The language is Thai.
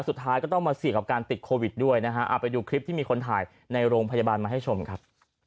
สุดท้ายก็ต้องมาเสี่ยงกับการติดโควิดด้วยนะฮะเอาไปดูคลิปที่มีคนถ่ายในโรงพยาบาลมาให้ชมครับ